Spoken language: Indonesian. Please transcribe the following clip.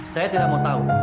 saya tidak mau tahu